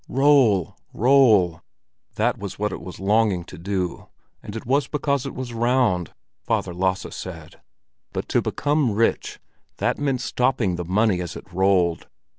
Roll, roll! That was what it was longing to do; and it was because it was round, Father Lasse said. But to become rich—that meant stopping the money as it rolled.